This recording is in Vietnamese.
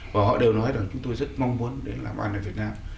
và họ đều nói rằng chúng tôi rất mong muốn để làm an ở việt nam